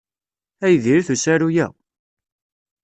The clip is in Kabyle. Ay diri-t usaru-a!